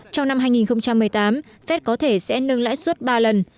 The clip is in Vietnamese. trong năm hai nghìn một mươi tám fed có thể sẽ nâng lãi suất ba lần